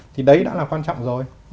thì đấy đã là quan trọng rồi